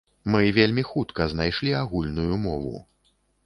Мы вельмі хутка знайшлі агульную мову.